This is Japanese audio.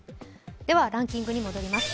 ランキングに戻ります。